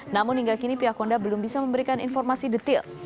namun hingga kini pihak honda belum bisa memberikan informasi detail